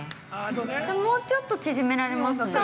◆じゃ、もうちょっと縮められますね。